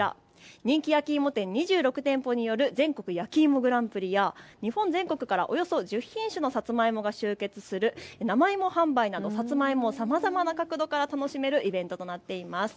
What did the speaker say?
人気焼き芋店２６店舗による全国やきいもグランプリや日本全国からおよそ１０品種のさつまいもが集結する生芋販売など、さつまいもをさまざまな角度から楽しめるイベントとなっています。